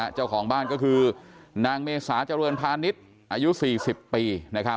เจ้าของบ้านก็คือนางเมษาเจริญพาณิชย์อายุ๔๐ปี